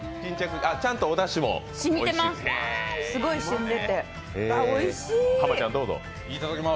ちゃんとおだしもきいてます